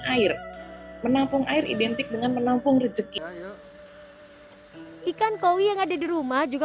air menampung air identik dengan menampung rezeki ikan koi yang ada di rumah juga